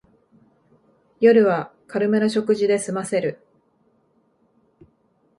夜は軽めの食事ですませる